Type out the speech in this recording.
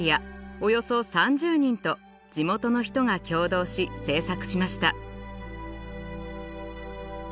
およそ３０人と地元の人が共同し制作しました。